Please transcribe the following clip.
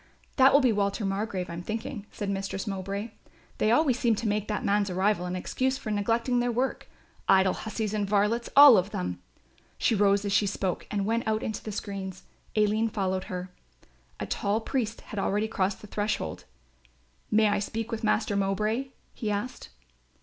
"That will be Walter Margrove, I'm thinking," said Mistress Mowbray. "They always seem to make that man's arrival an excuse for neglecting their work, idle hussies and varlets all of them!" She rose as she spoke and went out into the screens. Aline followed her. A tall priest had already crossed the threshold. "May I speak with Master Mowbray?" he said.